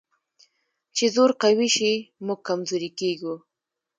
چې زور قوي شي، موږ کمزوري کېږو.